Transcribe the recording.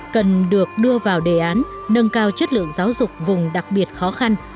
cần được đưa vào đề án nâng cao chất lượng giáo dục vùng đặc biệt khó khăn